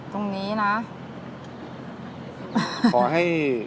ตรงนี้นะ